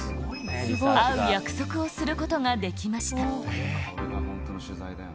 会う約束をすることができました。